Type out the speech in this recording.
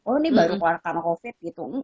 oh ini baru karena covid gitu